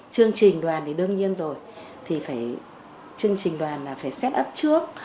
chương trình đoàn thì đương nhiên rồi chương trình đoàn phải set up trước